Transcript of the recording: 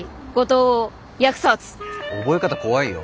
覚え方怖いよ。